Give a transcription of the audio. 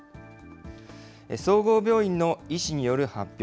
総合病院の医師による発表。